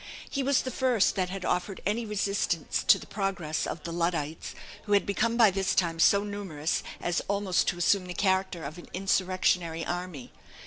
He was the first that had offered any resistance to the progress of the "Luddites," who had become by this time so numerous as almost to assume the character of an insurrectionary army.